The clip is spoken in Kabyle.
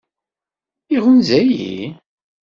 Iɣunza-yi?